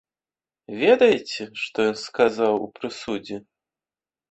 Ведаеце, што ён сказаў у прысудзе?